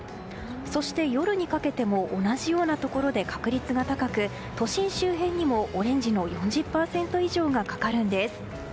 そして、夜にかけても同じようなところで確率が高く、都心周辺にもオレンジの４０％以上がかかるんです。